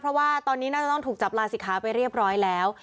เพราะว่าตอนนี้น่าจะต้องถูกจับลาศิกขาไปเรียบร้อยแล้ว